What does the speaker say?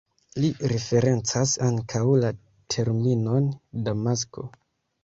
Li referencas ankaŭ la terminon damasko.